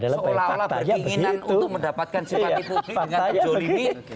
seolah olah berkeinginan untuk mendapatkan simpati publik dengan terjolidin